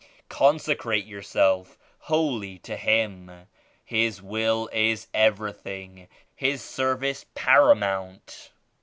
Consecrate yourself wholly to Him. His Will is everything; His service paramount.